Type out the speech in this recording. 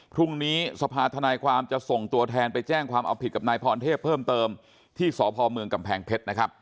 พรุ่งนี้สภาธนายความจะส่งตัวแทนไปแจ้งความเอาผิดกับนายพรเทพเพิ่มเติมที่สพเมืองกำแพงเพชรนะครับ